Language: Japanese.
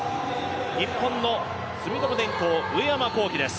日本の住友電工上山紘輝です。